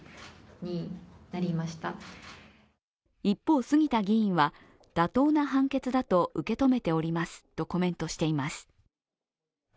一方、杉田議員は妥当な判決だと受け止めておりますとコメントしています。